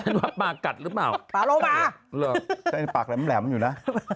ชั้นว่าป๊ากัดรึเปล่า